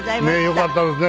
よかったですね。